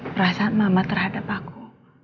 pernah saat mama terhadap aku